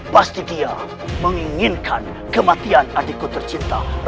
pasti dia menginginkan kematian adikku tercinta